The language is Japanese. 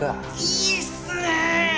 いいっすね。